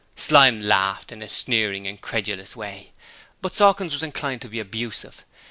Slyme laughed in a sneering, incredulous way, but Sawkins was inclined to be abusive.